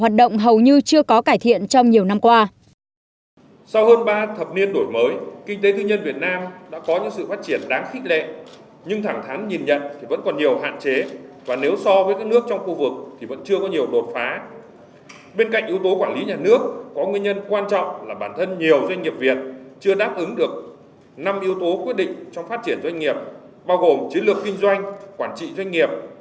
bao gồm chiến lược kinh doanh quản trị doanh nghiệp ứng dụng khoa học không nghệ